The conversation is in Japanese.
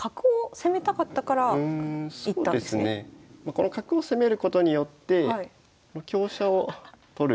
この角を攻めることによって香車を取る。